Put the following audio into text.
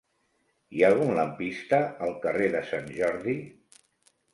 Hi ha algun lampista al carrer de Sant Jordi?